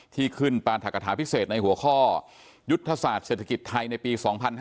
ที่ขึ้นปราธกฐาพิเศษในหัวข้อยุทธศาสตร์เศรษฐกิจไทยในปี๒๕๕๙